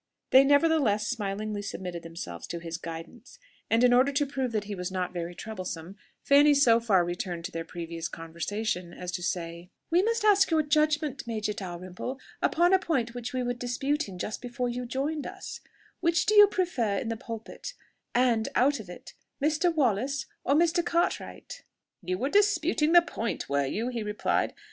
They nevertheless smilingly submitted themselves to his guidance, and in order to prove that he was not very troublesome, Fanny so far returned to their previous conversation as to say, "We must ask your judgment, Major Dalrymple, upon a point on which we were disputing just before you joined us: which do you prefer in the pulpit and out of it Mr. Wallace, or Mr. Cartwright?" "You were disputing the point, were you?" he replied.